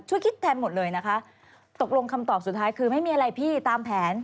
คิดแทนหมดเลยนะคะตกลงคำตอบสุดท้ายคือไม่มีอะไรพี่ตามแผน